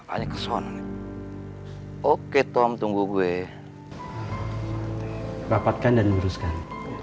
banyak kesan oke tom tunggu gue rapatkan dan luruskan